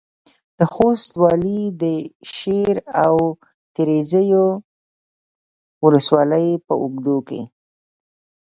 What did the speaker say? د خوست والي د شېر او تریزایي ولسوالیو په اوږدو کې